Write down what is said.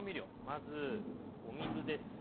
まずお水です。